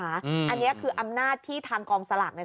อันนี้คืออำนาจที่ทางกองสลากเนี่ย